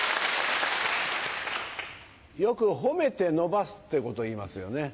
よく褒めて伸ばすってことをいいますよね。